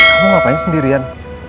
kamu ngapain sendirian